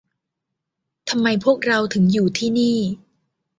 ทำไมพวกเราถึงอยู่ที่นี่ ?